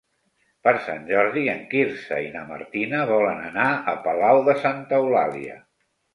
Per Sant Jordi en Quirze i na Martina volen anar a Palau de Santa Eulàlia.